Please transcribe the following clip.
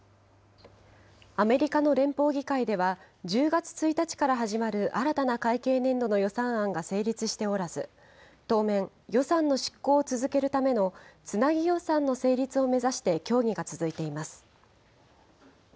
アメリカの連邦議会では１０月１日から始まる新たな会計年度の予算案が成立しておらず、当面、予算の執行を続けるためのつなぎ予算の成立を目指して協議が続いています。